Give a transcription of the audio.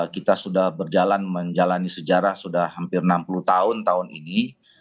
kita sudah berjalan menjalani sejarah sudah hampir enam puluh tahun tahun ini